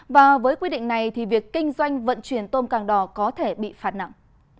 và với quy định này thì việc kinh doanh vận chuyển tôm càng đỏ có thể bị phạt nặng